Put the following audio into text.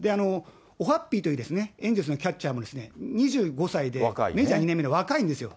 というエンゼルスのキャッチャーも、２５歳で、メジャー２年目で若いんですよ。